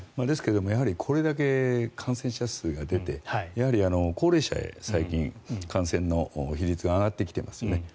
ですけどこれだけ感染者数が出てやはり高齢者、最近感染の比率が上がってきていますよね。